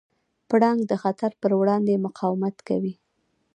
پړانګ د خطر پر وړاندې مقاومت کوي.